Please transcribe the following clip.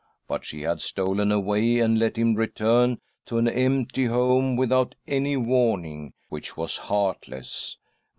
But she had stolen away, and let hirn^ return to an empty home without any warning, which was heartless.